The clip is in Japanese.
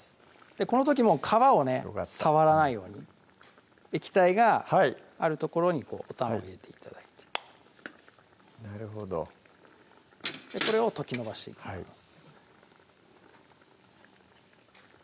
この時も皮をね触らないように液体がある所におたまを入れて頂いてなるほどこれを溶き延ばしていきます